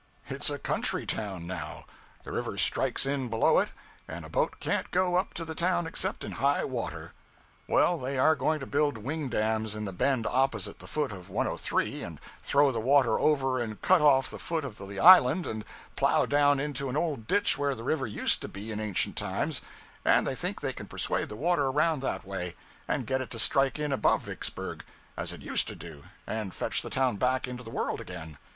It's a country town now. The river strikes in below it; and a boat can't go up to the town except in high water. Well, they are going to build wing dams in the bend opposite the foot of 103, and throw the water over and cut off the foot of the island and plow down into an old ditch where the river used to be in ancient times; and they think they can persuade the water around that way, and get it to strike in above Vicksburg, as it used to do, and fetch the town back into the world again.